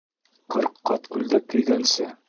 Ҡырҡ ҡат күлдәк кейгәнсе